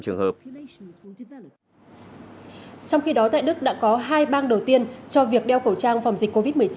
trong khi đó tại đức đã có hai bang đầu tiên cho việc đeo khẩu trang phòng dịch covid một mươi chín